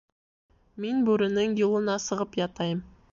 Мин бүренең юлына сығып ятайым.